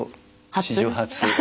史上初。